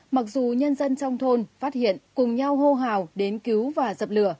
mặc dù nhân dân trong thôn phát hiện cùng nhau hô hào đến cứu và dập lửa